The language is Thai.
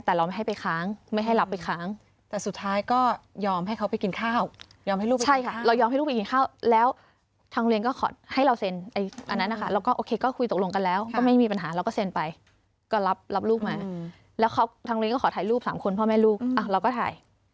ตกลงกันแล้วก็ไม่มีปัญหาเราก็เซ็นไปก็รับรูปมาแล้วเขาทั้งเรียนก็ขอถ่ายรูป๓คนพ่อแม่ลูกเราก็ถ่าย